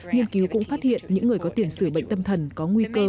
nghiên cứu cũng phát hiện những người có tiền sử bệnh tâm thần có nguy cơ